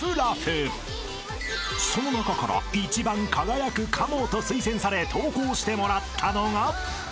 ［その中から一番輝くかもと推薦され登校してもらったのが］